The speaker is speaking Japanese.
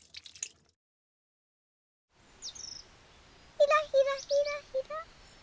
ひらひらひらひら。